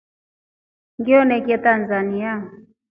Nga wonikia Tanzania.